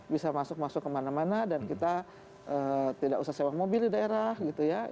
bisa masuk masuk kemana mana dan kita tidak usah sewa mobil di daerah gitu ya